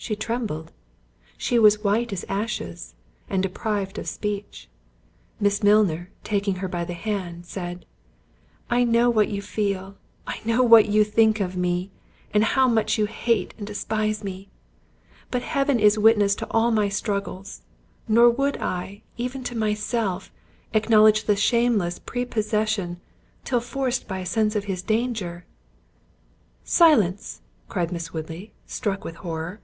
She trembled—she was white as ashes, and deprived of speech. Miss Milner, taking her by the hand, said, "I know what you feel—I know what you think of me—and how much you hate and despise me. But Heaven is witness to all my struggles—nor would I, even to myself, acknowledge the shameless prepossession, till forced by a sense of his danger"—— "Silence," cried Miss Woodley, struck with horror.